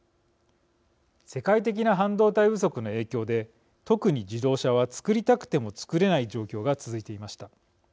世界的な半導体不足の影響で特に自動車は、作りたくても作れない状況が続いていました。